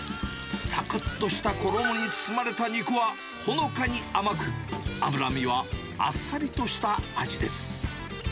さくっとした衣に包まれた肉は、ほのかに甘く、脂身はあっさりとした味です。